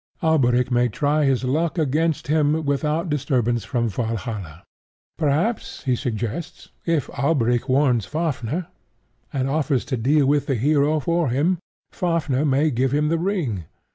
Alberic may try his luck against him without disturbance from Valhalla. Perhaps, he suggests, if Alberic warns Fafnir, and offers to deal with the hero for him, Fafnir, may give him the ring.